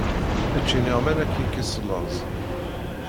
Ečč iniɣman ad k-yekkes laẓ!